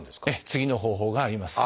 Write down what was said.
次の方法があります。